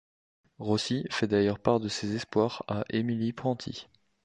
Rossi fait d'ailleurs part de ses espoirs à Emily Prentiss.